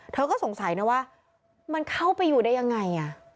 เธอก็สงสัยนะว่ามันเข้าไปอยู่ได้ยังไง